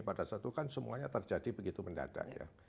pada saat itu kan semuanya terjadi begitu mendadak ya